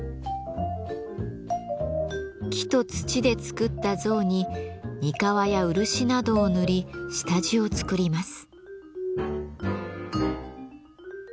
木と土で作った像に膠や漆などを塗り下地を作ります。